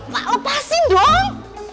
pak lepasin dong